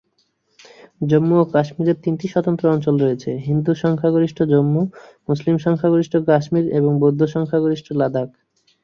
জম্মু ও কাশ্মীরের তিনটি স্বতন্ত্র অঞ্চল রয়েছে: হিন্দু সংখ্যাগরিষ্ঠ জম্মু, মুসলিম সংখ্যাগরিষ্ঠ কাশ্মীর এবং বৌদ্ধ সংখ্যাগরিষ্ঠ লাদাখ।